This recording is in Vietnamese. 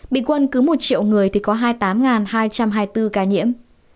bình quân cứ một triệu người thì có hai mươi tám hai trăm hai mươi bốn ca nhiễm